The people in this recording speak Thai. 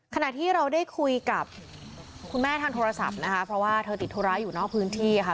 ขณะที่เราได้คุยกับคุณแม่ทางโทรศัพท์นะคะเพราะว่าเธอติดธุระอยู่นอกพื้นที่ค่ะ